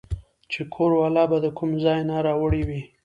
چې کور والا به د کوم ځاے نه راوړې وې